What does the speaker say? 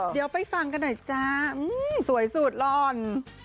เดี๋ยวไปฟังกันหน่อยจ้าสวยสุดหล่อน